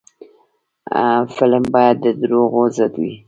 فلم باید د دروغو ضد وي